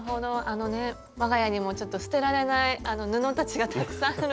あのね我が家にもちょっと捨てられない布たちがたくさんあるので。